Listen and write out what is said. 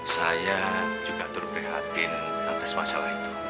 saya juga turut berhati hati atas masalah itu